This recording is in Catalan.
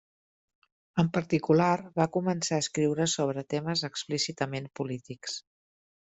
En particular, va començar a escriure sobre temes explícitament polítics.